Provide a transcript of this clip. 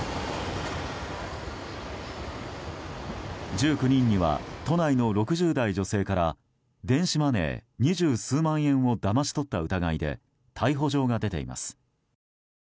１９人には都内の６０代女性から電子マネー二十数万円をだまし取った疑いで逮捕状が出ています。